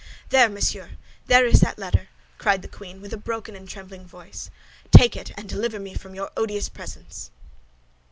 "There, monsieur, there is that letter!" cried the queen, with a broken and trembling voice; "take it, and deliver me from your odious presence."